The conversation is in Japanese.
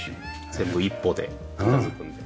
全部一歩で片付くので。